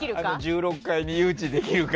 １６階に誘致できるか。